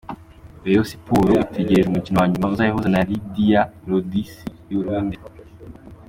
Reyo Siporo itegereje umukino wa nyuma uzayihuza na Lidiya Ludici y’i Burundi.